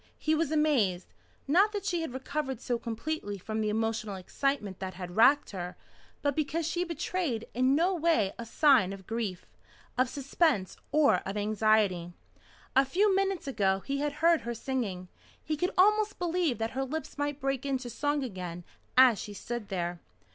He was amazed not that she had recovered so completely from the emotional excitement that had racked her, but because she betrayed in no way a sign of grief of suspense or of anxiety. A few minutes ago he had heard her singing. He could almost believe that her lips might break into song again as she stood there.